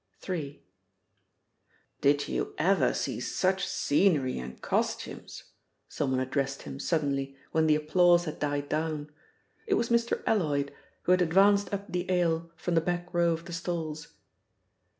III. "Did you ever see such scenery and costumes?" some one addressed him suddenly when the applause had died down. It was Mr. Alloyd, who had advanced up the aisle from the back row of the stalls.